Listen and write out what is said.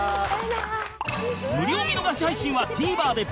無料見逃し配信は ＴＶｅｒ で